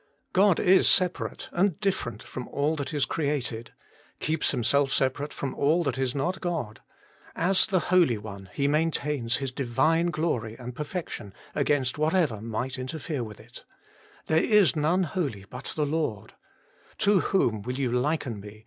God is Separate and different from all that is created, keeps Himself separate from all that is not God ; as the Holy One He maintains His Divine glory and perfection against whatever might interfere with it :' There is none holy, but the Lord ;'' To whom will you liken me